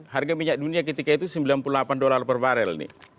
harga minyak dunia ketika itu sembilan puluh delapan dolar per barel nih